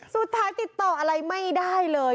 สุดท้ายติดต่ออะไรไม่ได้เลย